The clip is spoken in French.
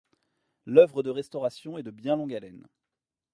L’œuvre de restauration est de bien longue haleine.